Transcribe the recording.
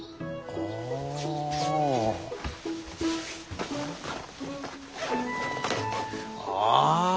ああ！